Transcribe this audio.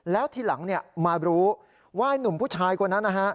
แล้วทีหลังมารู้ว่านุ่มผู้ชายคนนั้นนะฮะ